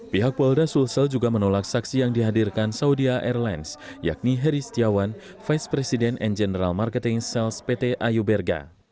pihak polda sulsel juga menolak saksi yang dihadirkan saudi airlines yakni heri setiawan vice president and general marketing sales pt ayu berga